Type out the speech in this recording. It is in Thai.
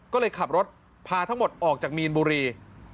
ก็เลยขับรถพาทั้งหมดออกจากมีนบุรี